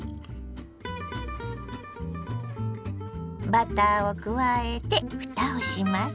バターを加えてふたをします。